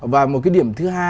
và một cái điểm thứ hai